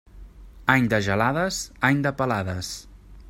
Any de gelades, any de pelades.